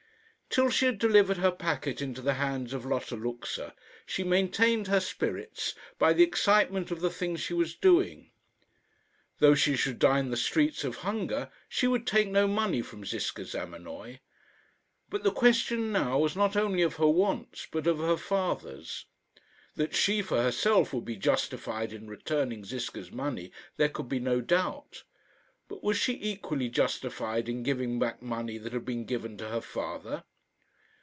Till she had delivered her packet into the hands of Lotta Luxa, she maintained her spirits by the excitement of the thing she was doing. Though she should die in the streets of hunger, she would take no money from Ziska Zamenoy. But the question now was not only of her wants, but of her father's. That she, for herself, would be justified in returning Ziska's money there could be no doubt; but was she equally justified in giving back money that had been given to her father?